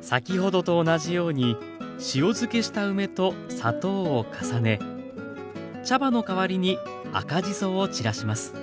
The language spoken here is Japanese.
先ほどと同じように塩漬けした梅と砂糖を重ね茶葉の代わりに赤じそを散らします。